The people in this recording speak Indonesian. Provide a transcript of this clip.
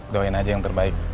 doain aja yang terbaik